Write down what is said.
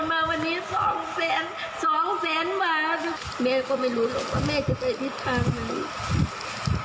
มาวันนี้สองแสนสองแสนบาทแม่ก็ไม่รู้หรอกว่าแม่จะไปทิศทางไหน